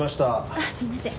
あっすみません。